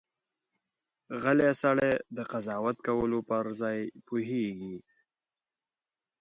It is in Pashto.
غلی سړی، د قضاوت کولو پر ځای پوهېږي.